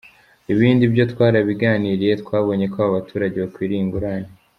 Ibindi byo twarabiganiriye twabonye ko abo baturage bakwiriye ingurane.